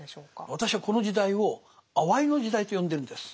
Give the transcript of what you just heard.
私はこの時代を「あわい」の時代と呼んでるんです。